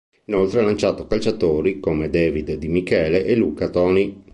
Inoltre, ha lanciato calciatori come David Di Michele e Luca Toni.